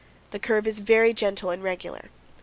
The curve is very gentle and regular.